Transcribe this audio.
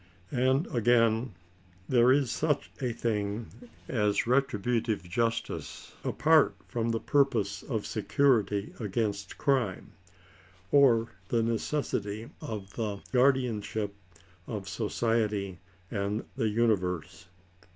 And again ;" there is such a thing as retribu tive justice, apart from the purpose of security against crime, or the necessity of the guardianship of society and the universe."